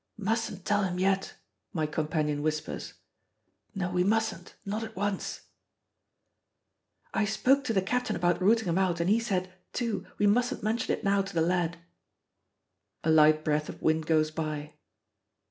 "Mustn't tell him yet," my companion whispers. "No, we mustn't, not at once " "I spoke to the captain about rooting him out, and he said, too, 'we mustn't mention it now to the lad.'" A light breath of wind goes by.